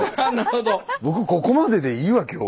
僕ここまででいいわ今日。